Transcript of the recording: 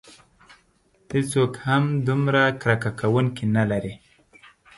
هیڅوک هم دومره کرکه کوونکي نه لري.